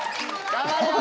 頑張るよ！